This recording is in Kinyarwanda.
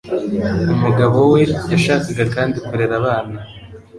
Umugabo we yashakaga kandi kurera abana.